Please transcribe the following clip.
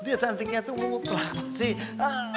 dia cantiknya tuh ngumpul apa sih